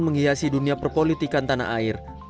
menghiasi dunia perpolitikan tanah air